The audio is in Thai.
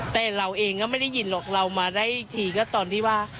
แต่เราเองก็ไม่ได้ยินหรอกเรามาได้อีกทีก็ตอนที่ว่า